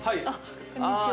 こんにちは。